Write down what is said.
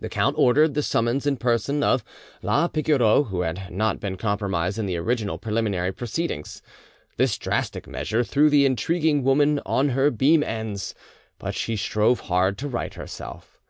The count ordered the summons in person of la Pigoreau, who had not been compromised in the original preliminary proceedings. This drastic measure threw the intriguing woman on her beam ends, but she strove hard to right herself.